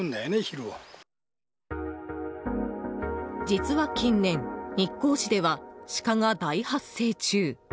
実は近年日光市ではシカが大発生中。